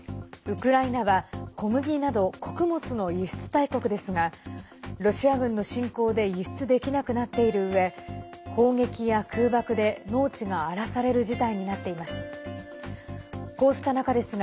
ウクライナは小麦など穀物の輸出大国ですがロシア軍の侵攻で輸出できなくなっているうえ攻撃や空爆で農地が荒らされる事態になっています。